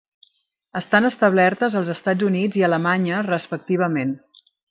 Estan establertes als Estats Units i Alemanya respectivament.